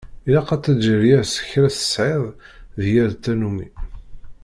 Ilaq ad teǧǧeḍ yir skra tesεiḍ d yir tannumi.